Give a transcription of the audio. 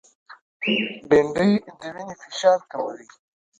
بېنډۍ د وینې فشار کموي